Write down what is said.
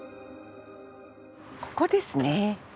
ここですね。